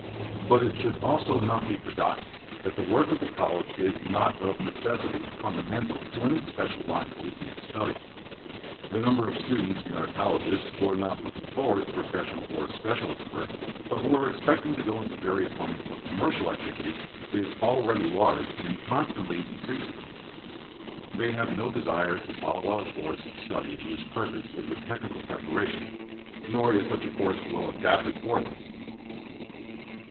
But it should also not be forgotten that the work of the college is not of necessity fundamental to any special line of advanced study. The number of students in our colleges who are not looking forward to professional or specialist work, but who are expecting to go into various lines of commercial activity, is already large and constantly increasing. They have no desire to follow out a course of study whose purpose is a technical preparation, nor is such a course well adapted for them.